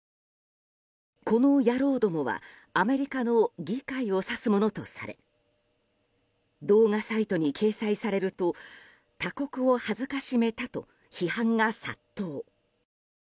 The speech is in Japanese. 「この野郎ども」はアメリカの議会を指すものとされ動画サイトに掲載されると他国を辱めたと批判が殺到。